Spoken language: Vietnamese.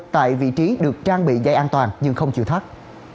tại vị trí được trang bị dây an toàn nhưng không chịu thắt